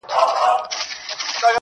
اې ښكلي پاچا سومه چي ستا سومه,